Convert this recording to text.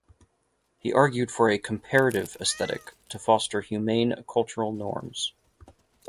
He argued for a "comparative" aesthetic to foster humane cultural norms.